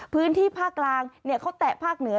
พื้นที่ภาคกลางเขาแตะภาคเหนือ